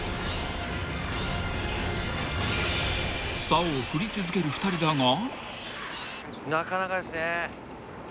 ［さおを振り続ける２人だが］